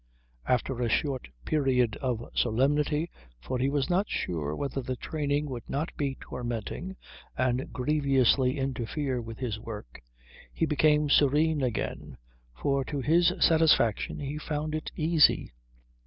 After a short period of solemnity, for he was not sure whether the training would not be tormenting and grievously interfere with his work, he became serene again, for to his satisfaction he found it easy.